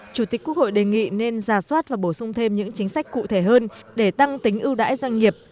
chủ tịch quốc hội đề nghị nên giả soát và bổ sung thêm những chính sách cụ thể hơn để tăng tính ưu đãi doanh nghiệp